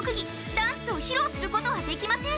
ダンスを披露することはできません。